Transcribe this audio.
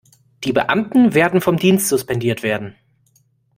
Die Beamten werden vom Dienst suspendiert werden.